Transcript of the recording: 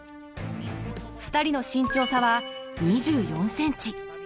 ２人の身長差は２４センチ。